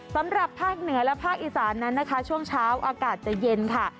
สำหรับภาคเหนือและภาคอีสานนั้นนะคะช่วงเช้าอากาศจะเย็นค่ะ